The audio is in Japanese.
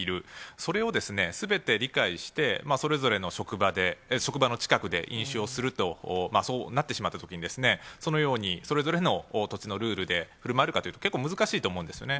それをですね、すべて理解して、それぞれの職場で、職場の近くで飲酒をすると、そうなってしまったときに、そのようにそれぞれの土地のルールでふるまえるかというと、結構難しいと思うんですよね。